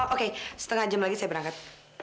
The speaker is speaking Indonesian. oke setengah jam lagi saya berangkat